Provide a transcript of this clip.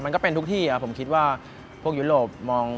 มันก็เป็นทุกที่ผมคิดว่าพวกยุโรปมอง